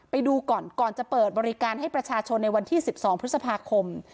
ไปดูก่อนก่อนจะเปิดบริการให้ประชาชนในวันที่๑๒พฤษภาคม